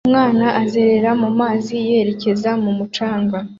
Umwana azerera mu mazi yerekeza ku mucanga